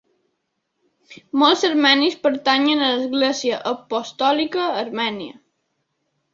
Molts armenis pertanyen a l'Església apostòlica armènia.